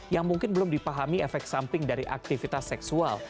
yang mungkin belum dipahami efek samping dari aktivitas seksual